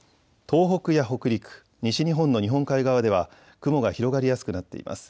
東北や北陸、西日本の日本海側では雲が広がりやすくなっています。